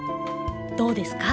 どうですか？